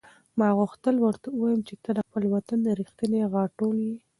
ما غوښتل ورته ووایم چې ته د خپل وطن رښتینې غاټول یې.